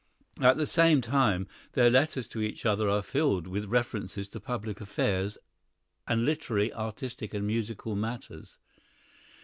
At the same time their letters to each other are filled with references to public affairs and literary, artistic and musical matters.